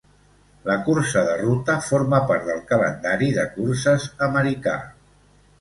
La cursa de ruta forma part del calendari de curses americà.